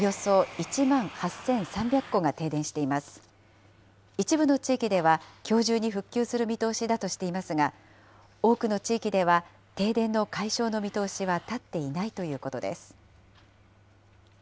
一部の地域では、きょう中に復旧する見通しだとしていますが、多くの地域では停電の解消の見通しは立っていないということです。